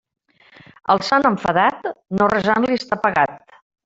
Al sant enfadat, no resant-li està pagat.